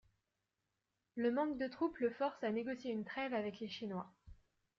Le manque de troupes le force à négocier une trêve avec les Chinois.